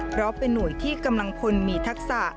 เพราะเป็นหน่วยที่กำลังพลมีทักษะ